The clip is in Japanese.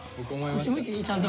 こっち向いて言いちゃんと。